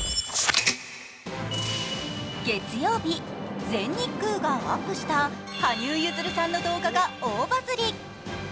月曜日、全日空がアップした羽生結弦さんの動画が大バズり。